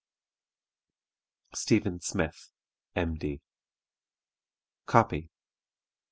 D. STEPHEN SMITH, M.D. (Copy.)